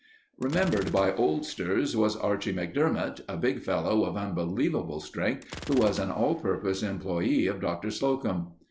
Remembered by oldsters, was Archie McDermot, a big fellow of unbelievable strength who was an all purpose employee of Dr. Slocum.